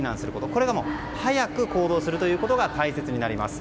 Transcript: これが早く行動するということが大切になります。